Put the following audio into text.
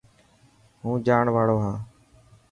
هون جاڻ واڙو هان.